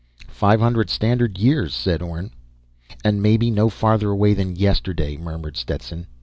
"Five hundred standard years," said Orne. "And maybe no farther away than yesterday," murmured Stetson.